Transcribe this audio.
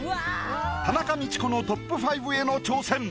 田中道子のＴＯＰ５への挑戦